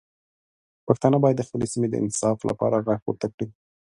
پښتانه باید د خپلې سیمې د انصاف لپاره غږ پورته کړي.